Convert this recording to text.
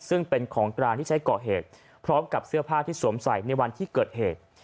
ซึ่งเป็นของกลางที่ใช้ก่อเหตุพร้อมกับเสื้อผ้าที่สวมใส่ในวันที่เกิดเหตุ